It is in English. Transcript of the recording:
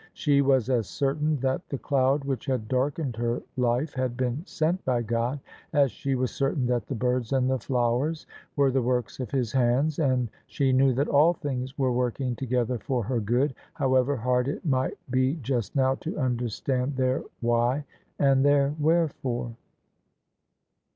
She was as certain that the cloud which had darkened her life had been sent by God, as she was cer tain that the birds and the flowers were the works of His Hands: and she knew that all things were working together for her good, however hard it mi^t be just now to under stand their why and their wherefore.